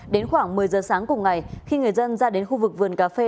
đến khoảng một mươi giờ sáng cùng ngày khi người dân ra đến khu vực vườn cà phê